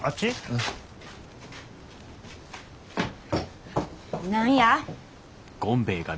うん。何や？